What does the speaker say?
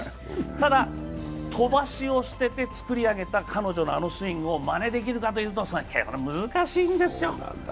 ただ、飛ばしを捨てて作り上げた彼女のあのスイングをまねできるかというと難しいんですよ。